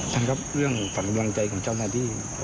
ท่านครับเรื่องขวัญกำลังใจของเจ้าหน้าที่